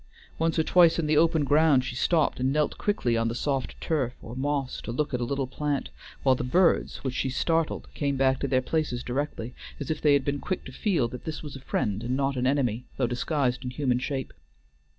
Once or twice in the open ground she stopped and knelt quickly on the soft turf or moss to look at a little plant, while the birds which she startled came back to their places directly, as if they had been quick to feel that this was a friend and not an enemy, though disguised in human shape.